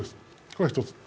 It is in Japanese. これが一つ。